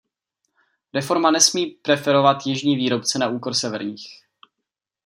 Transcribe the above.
Reforma nesmí preferovat jižní výrobce na úkor severních.